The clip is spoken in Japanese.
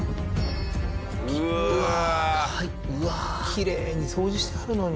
きれいに掃除してあるのに。